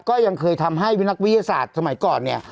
ก็ยังเคยทำให้วินักวิทยาศาสตร์สมัยก่อนเนี่ย